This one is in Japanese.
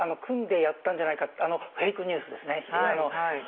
あのフェイクニュースですね。